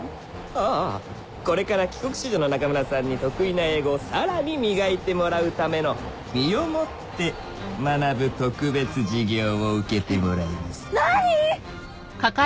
ああこれから帰国子女の中村さんに得意な英語をさらに磨いてもらうための「身をもって」学ぶ特別授業を受けてもらいますなに？